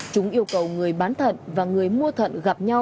chúng yêu cầu người bán thận và người mua bán thận đều đều có chế tài